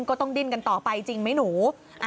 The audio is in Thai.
ก็ต้องดิ้นกันต่อไปจริงไหมหนู